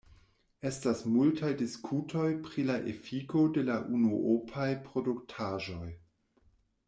Estas multaj diskutoj pri la efiko de la unuopaj produktaĵoj.